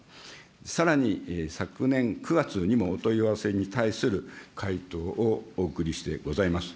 さらに昨年９月にも、お問い合わせに対する回答をお送りしてございます。